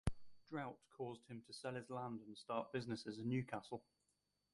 Drought caused him to sell his land and start businesses in Newcastle.